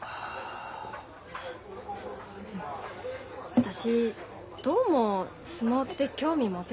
私どうも相撲って興味持てなくて。